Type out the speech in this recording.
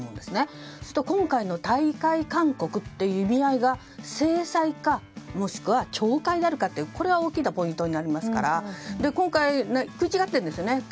すると今回の退会勧告という意味合いが、制裁かもしくは懲戒になるかというのは大きなポイントになりますから今回、食い違っているんですよね。